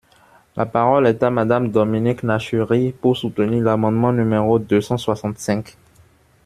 La parole est à Madame Dominique Nachury, pour soutenir l’amendement numéro deux cent soixante-cinq.